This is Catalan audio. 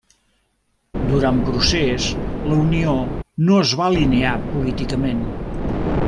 Durant procés la Unió no es va alinear políticament.